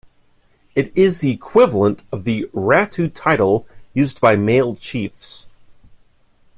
It is the equivalent of the "Ratu" title used by male chiefs.